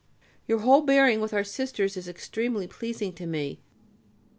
Your whole bearing with our Sisters is extremely pleasing to me.